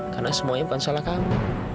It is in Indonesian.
karena semuanya bukan salah kamu